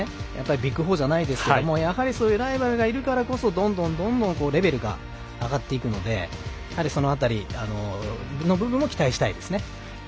ビッグ４じゃないですけどやはり、そういうライバルがいるからこそどんどんレベルが上がっていくのでその辺りの部分も期待したいです。